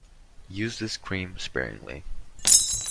Use this cream sparingly.